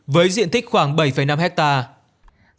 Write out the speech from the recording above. với diện thích khoảng bảy năm hectare